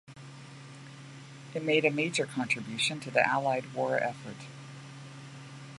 It made a major contribution to the Allied war effort.